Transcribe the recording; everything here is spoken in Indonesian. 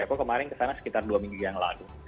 aku kemarin kesana sekitar dua minggu yang lalu